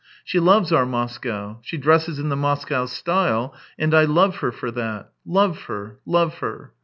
She loves our Moscow; she dresses in the Moscow style, and I love her ior that — love her, love her.